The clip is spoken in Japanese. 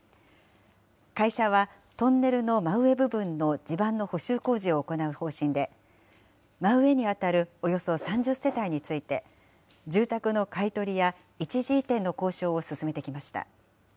会社は、トンネルの真上部分の地盤の補修工事を行う方針で、真上に当たるおよそ３０世帯について、住宅の買い取りや一時移転の交渉を進めてきました。